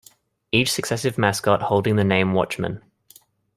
Each successive mascot holding the name Watchman.